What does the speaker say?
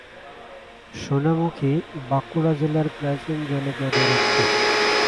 সোনামুখী বাঁকুড়া জেলার প্রাচীন জনপদের একটি।